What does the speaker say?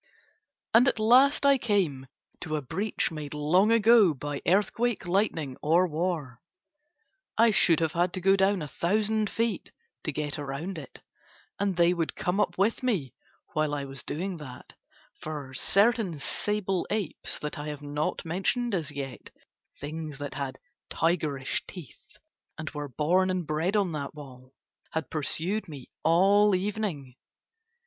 And at last I came to a breach made long ago by earthquake, lightning or war: I should have had to go down a thousand feet to get round it and they would come up with me while I was doing that, for certain sable apes that I have not mentioned as yet, things that had tigerish teeth and were born and bred on that wall, had pursued me all the evening.